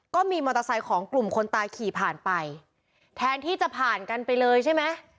ก็มีมอเตอร์ไซค์ของกลุ่มคนตายขี่ผ่านไปแทนที่จะผ่านกันไปเลยใช่ไหม